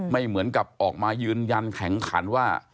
ไม่เหมือนกับออกมายืนยันแข็งขันว่า